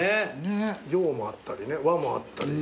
洋もあったり和もあったり。